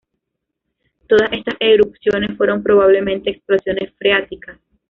Todas estas erupciones fueron probablemente explosiones freáticas.